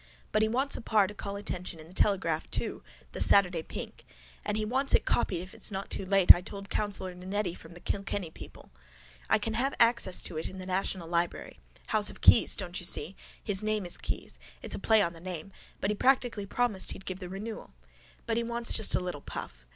But he wants a par to call attention in the Telegraph too, the Saturday pink. And he wants it copied if it's not too late I told councillor Nannetti from the Kilkenny People. I can have access to it in the national library. House of keys, don't you see? His name is Keyes. It's a play on the name. But he practically promised he'd give the renewal. But he wants just a little puff.